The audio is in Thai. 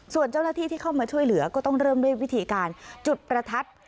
ส่วนเจ้าหน้าที่ที่เข้ามาช่วยเหลือก็ต้องเริ่มด้วยวิธีการจุดประทัด